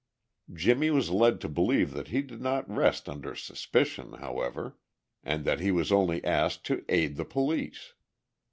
Jimmie was led to believe that he did not rest under suspicion, however, and that he was only asked to aid the police.